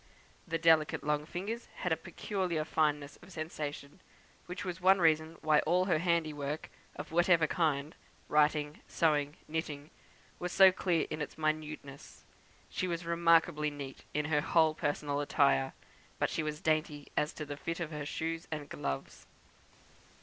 The delicate long fingers had a peculiar fineness of sensation, which was one reason why all her handiwork, of whatever kind writing, sewing, knitting was so clear in its minuteness. She was remarkably neat in her whole personal attire; but she was dainty as to the fit of her shoes and gloves.